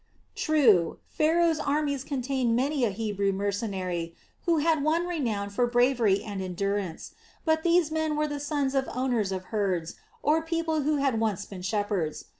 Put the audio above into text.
True, Pharaoh's armies contained many a Hebrew mercenary who had won renown for bravery and endurance; but these men were the sons of owners of herds or people who had once been shepherds.